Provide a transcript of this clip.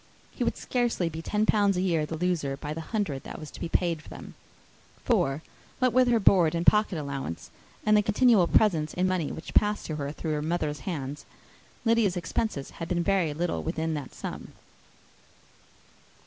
He would scarcely be ten pounds a year the loser, by the hundred that was to be paid them; for, what with her board and pocket allowance, and the continual presents in money which passed to her through her mother's hands, Lydia's expenses had been very little within that sum.